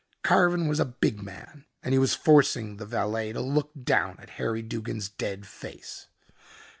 Carven was a big man and he was forcing the valet to look down at Harry Duggin's dead face.